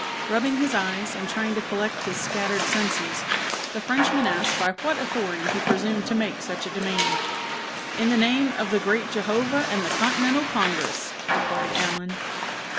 Rubbing his eyes, and trying to collect his scattered senses, the Frenchman asked by what authority he presumed to make such a demand. "In the name of the Great Jehovah and the Continental Congress!" replied Allen.